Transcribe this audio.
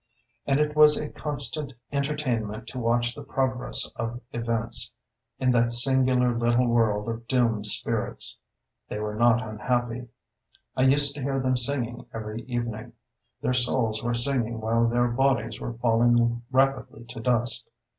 And it was a constant entertainment to watch the progress of events in that singular little world of doomed spirits. They were not unhappy. I used to hear them singing every evening: their souls were singing while their bodies were falling rapidly to dust.